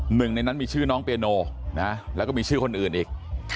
หนึ่งในนั้นมีชื่อน้องเปียโนแล้วก็มีชื่อคนอื่นอีก